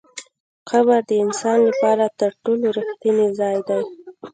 قبر د انسان لپاره تر ټولو رښتینی ځای دی.